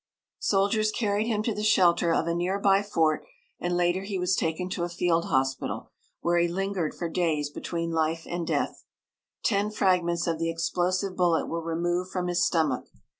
Soldiers carried him to the shelter of a near by fort, and later he was taken to a field hospital, where he lingered for days between life and death. Ten fragments of the explosive bullet were removed from his stomach.